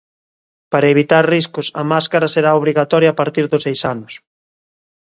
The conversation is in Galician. Para evitar riscos, a máscara será obrigatoria a partir dos seis anos.